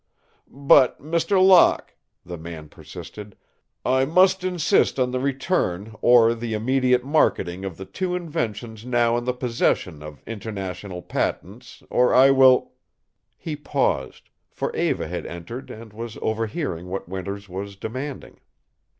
"But, Mr. Locke," the man persisted, "I must insist on the return or the immediate marketing of the two inventions now in the possession of International Patents or I will " He paused, for Eva had entered and was overhearing what Winters was demanding.